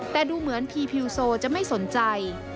แต่ดูเหมือนพีพิวโซจะไม่สนใจ